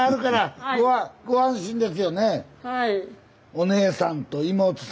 お姉さんと妹さん。